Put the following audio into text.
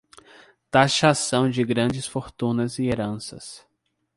Taxação de grandes fortunas e heranças